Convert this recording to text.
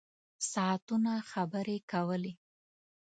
ساعتونه خبرې کولې.